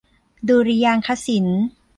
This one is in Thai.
ดุริยางคศิลป์